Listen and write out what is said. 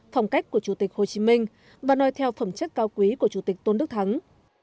phong cách của chủ tịch hồ chí minh và nói theo phẩm chất cao quý của chủ tịch tôn đức thắng